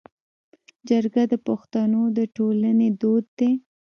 جرګه د پښتنو د ټولنې دود دی